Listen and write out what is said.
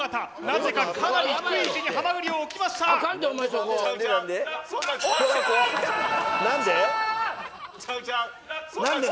なぜかかなり低い位置にハマグリを置きましたおっしゃいった！